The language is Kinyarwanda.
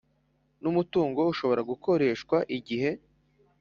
n umutungo ushobora gukoreshwa igihe